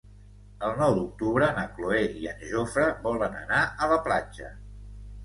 El nou d'octubre na Cloè i en Jofre volen anar a la platja.